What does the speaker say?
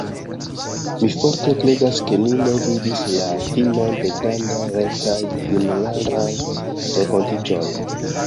Mi forte kredas ke ni ne vidis la finon de grandaj retaj junularaj renkontiĝoj!